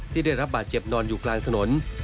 ได้รับบาดเจ็บนอนอยู่กลางถนน